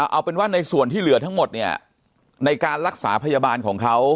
เอาเป็นว่าในส่วนที่เหลือทั้งหมดเนี่ยในการรักษาพยาบาลของเขา